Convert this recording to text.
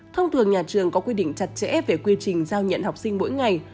thông thường nhà trường có quy định chặt chẽ về quy trình giao nhận học sinh mỗi ngày